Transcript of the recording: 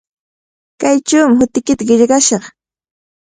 Kaychawmi hutiykita qillqashaq.